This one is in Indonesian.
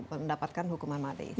mendapatkan hukuman mati